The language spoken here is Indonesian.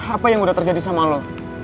apa yang udah terjadi sama lo